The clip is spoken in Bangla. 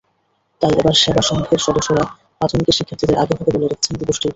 তাই এবার সেবা সংঘের সদস্যরা প্রাথমিকের শিক্ষার্থীদের আগেভাগে বলে রেখেছেন দিবসটির কথা।